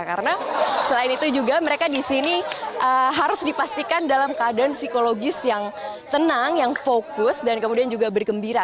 karena selain itu juga mereka di sini harus dipastikan dalam keadaan psikologis yang tenang yang fokus dan kemudian juga bergembira